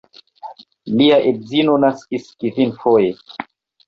Lia edzino naskis kvinfoje.